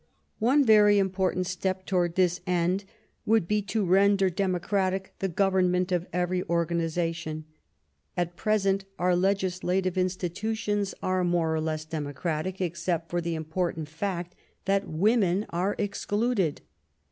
One very important step toward this end would be to render democratic the government of every organization. At present, our legislative institutions are more or less democratic, except for the important fact that women are excluded.